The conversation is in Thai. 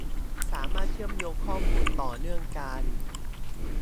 สามารถเชื่อมโยงข้อมูลต่อเนื่องกัน